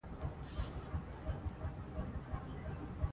د اعتماد ماتېدل اسانه دي